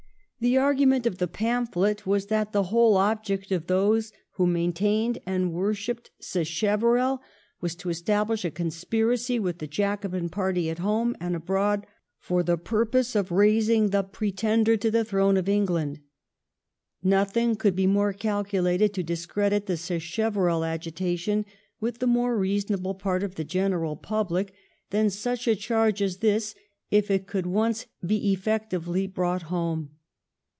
The argument of the pamphlet was that the whole object of those who maintained and wor shipped Sacheverell was to establish a conspiracy with the Jacobite party at home and abroad for the purpose of raising the Pretender to the throne of England. Nothing could be more calculated to dis credit the Sacheverell agitation with the more reason able part of the general public than such a charge as this if it could once be effectively brought home.